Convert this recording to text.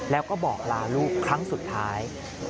แล้วก็บอกลาลูกครั้งสุดท้าย